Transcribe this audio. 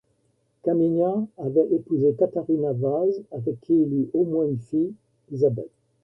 Caminha avait épousé Catarina Vaz avec qui il eut au moins une fille, Isabelle.